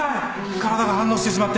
体が反応してしまって。